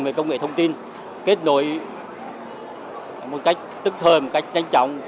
về công nghệ thông tin kết nối một cách tức thời một cách nhanh chóng